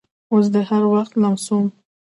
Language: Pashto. اوس دې هر وخت لمسوم